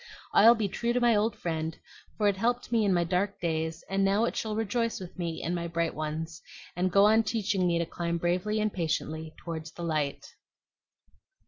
"I'll be true to my old friend; for it helped me in my dark days, and now it shall rejoice with me in my bright ones, and go on teaching me to climb bravely and patiently toward the light."